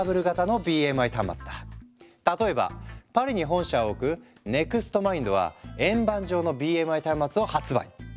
例えばパリに本社を置くＮｅｘｔＭｉｎｄは円盤状のＢＭＩ端末を発売。